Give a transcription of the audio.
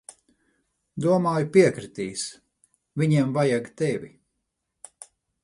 Domāju, piekritīs. Viņiem vajag tevi.